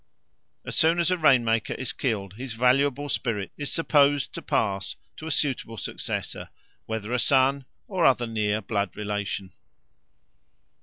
As soon as a rain maker is killed, his valuable spirit is supposed to pass to a suitable successor, whether a son or other near blood relation.